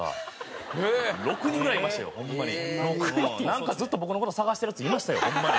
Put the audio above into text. なんかずっと僕の事探してるヤツいましたよホンマに。